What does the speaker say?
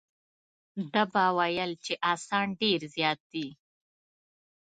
ده به ویل چې اسان ډېر زیات دي.